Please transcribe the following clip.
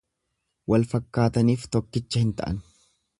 Wal fakkataniif tokkicha hin ta'an.